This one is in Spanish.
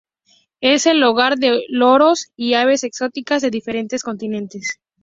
Es el hogar de loros y aves exóticas de diferentes continentes.